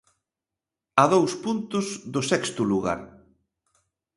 A dous puntos do sexto lugar.